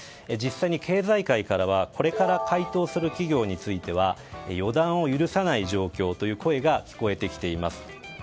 実際に経済界からはこれから回答する企業については予断を許さない状況という声が聞こえてきています。